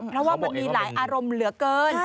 เพราะว่ามันมีหลายอารมณ์เหลือเกิน